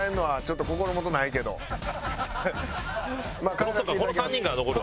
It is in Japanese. そうかこの３人が残る。